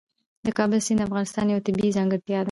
د کابل سیند د افغانستان یوه طبیعي ځانګړتیا ده.